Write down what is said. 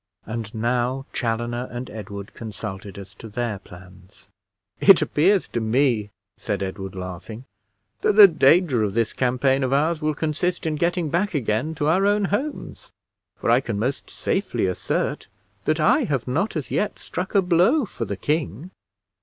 And now Chaloner and Edward consulted as to their plans. "It appears to me," said Edward, laughing, "that the danger of this campaign of ours will consist in getting back again to our own homes, for I can most safely assert that I have not as yet struck a blow for the king."